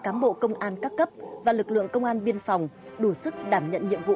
cán bộ công an các cấp và lực lượng công an biên phòng đủ sức đảm nhận nhiệm vụ